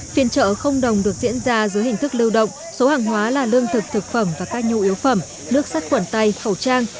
phiên chợ không đồng được diễn ra dưới hình thức lưu động số hàng hóa là lương thực thực phẩm và các nhu yếu phẩm nước sắt quẩn tay khẩu trang